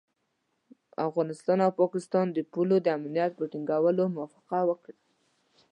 افغانستان او پاکستان د پولو د امنیت په ټینګولو موافقه وکړه.